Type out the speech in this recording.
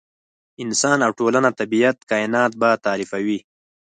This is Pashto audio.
انسان او ټولنه، طبیعت، کاینات به تعریفوي.